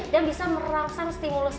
dan bisa merangsang stimulus otak